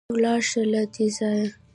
ځه ولاړ شه له دې ځايه!